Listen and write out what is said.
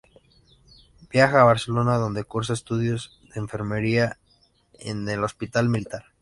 Viaja a Barcelona donde cursa estudios de enfermería en el Hospital Militar.